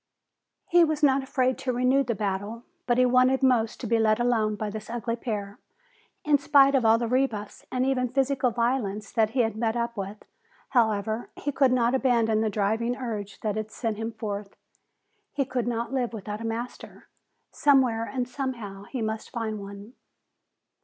He was not afraid to renew the battle, but he wanted most to be let alone by this ugly pair. In spite of all the rebuffs and even physical violence that he had met up with, however, he could not abandon the driving urge that had sent him forth. He could not live without a master. Somewhere and somehow he must find one.